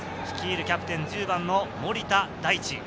率いるキャプテン１０番の森田大智。